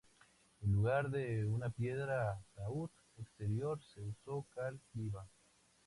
En lugar de una piedra ataúd exterior, se usó cal viva.